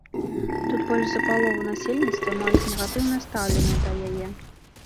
Тут больш за палову насельніцтва маюць негатыўнае стаўленне да яе.